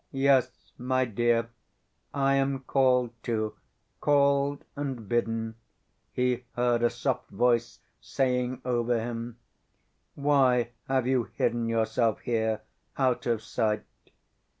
"Yes, my dear, I am called, too, called and bidden," he heard a soft voice saying over him. "Why have you hidden yourself here, out of sight?